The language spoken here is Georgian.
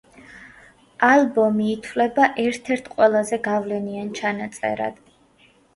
ალბომი ითვლება ერთ-ერთ ყველაზე გავლენიან ჩანაწერად.